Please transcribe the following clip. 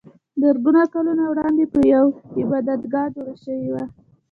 زرګونه کلونه وړاندې پرې یوه عبادتګاه جوړه شوې وه.